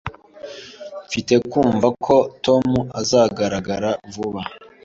Mfite kumva ko Tom azagaragara vuba